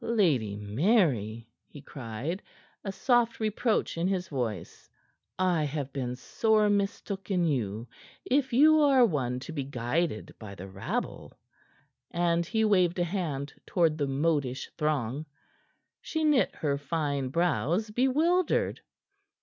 "Lady Mary," he cried, a soft reproach in his voice, "I have been sore mistook in you if you are one to be guided by the rabble." And he waved a hand toward the modish throng. She knit her fine brows, bewildered.